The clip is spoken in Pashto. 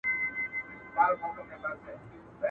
لرګی په اور کي ښوروي په اندېښنو کي ډوب دی.